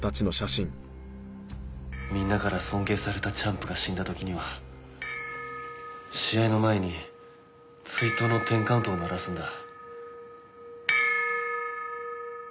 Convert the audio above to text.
みんなから尊敬されたチャンプが死んだ時には試合の前に追悼のテンカウントを鳴らすんだ。